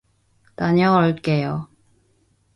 다녀올게요.